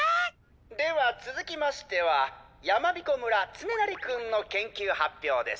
ではつづきましてはやまびこ村つねなりくんの研究発表です。